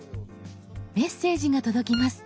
メッセージが届きます。